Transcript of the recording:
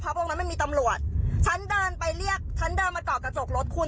พวกนั้นมันมีตำรวจฉันเดินไปเรียกฉันเดินมาเกาะกระจกรถคุณ